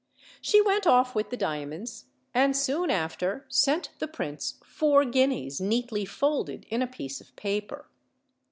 She went off with the diamonds, and soon after sent the prince four guineas neatly folded in a piece of paper.